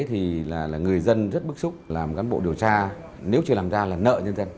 thì là người dân rất bức xúc làm cán bộ điều tra nếu chưa làm ra là nợ nhân dân